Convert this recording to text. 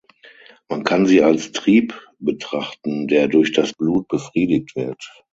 Man kann sie als Trieb betrachten, der durch das Blut befriedigt wird.